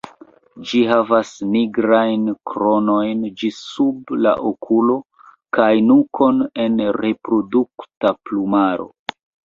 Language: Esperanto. Ĝi havas nigrajn kronon ĝis sub la okulo kaj nukon en reprodukta plumaro.